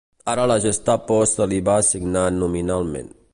Ara la Gestapo se li va assignar nominalment.